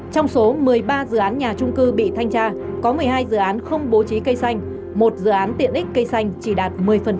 trong số một mươi ba dự án nhà trung cư bị thanh tra có một mươi hai dự án không bố trí cây xanh một dự án tiện ích cây xanh chỉ đạt một mươi